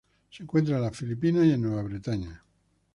Se encuentra en las Filipinas y Nueva Bretaña.